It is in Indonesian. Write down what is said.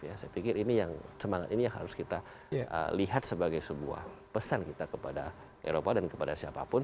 saya pikir ini yang semangat ini yang harus kita lihat sebagai sebuah pesan kita kepada eropa dan kepada siapapun